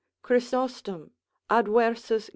Chrysostom advers.